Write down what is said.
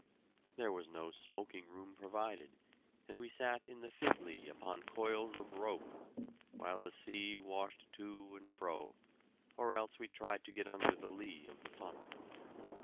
There was no smoking room provided, and we sat in the "fiddlee" upon coils of rope, while the sea washed to and fro, or else we tried to get under the lee of the funnel.